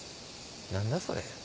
何だそれ？